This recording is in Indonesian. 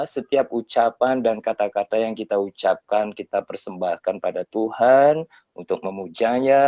setiap ucapan dan kata kata yang kita ucapkan kita persembahkan pada tuhan untuk memujanya